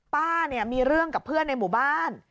ป้าเนี่ยมีเรื่องกับเพื่อนในหมู่บ้าน